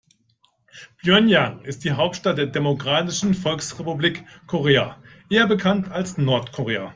Pjöngjang ist die Hauptstadt der Demokratischen Volksrepublik Korea, eher bekannt als Nordkorea.